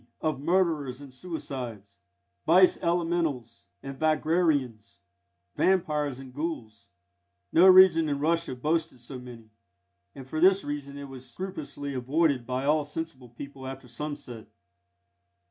_ (of murderers and suicides) Vice Elementals and Vagrarians, vampires and ghouls; no region in Russia boasted so many, and for this reason it was scrupulously avoided by all sensible people after sunset.